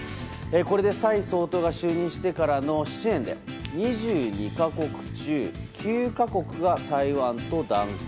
これで蔡総統が就任してからの７年で２２か国中９か国が台湾と断交。